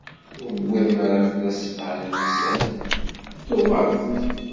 Ur wwiḍen ara fell-as sebεa n wussan, tuɣal-d.